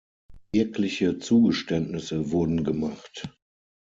Wirkliche Zugeständnisse wurden gemacht.